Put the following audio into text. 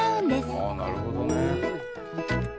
ああなるほどね。